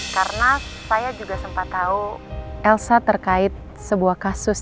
karena saya juga sempat tahu elsa terkait sebuah kasus